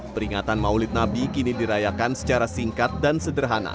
peringatan maulid nabi kini dirayakan secara singkat dan sederhana